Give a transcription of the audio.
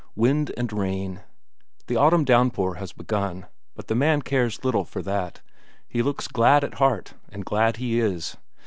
Wind and rain; the autumn downpour has begun, but the man cares little for that, he looks glad at heart, and glad he is.